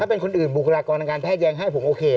ถ้าเป็นคนอื่นบุคลากรณการแพทย้ายให้ผมโอเค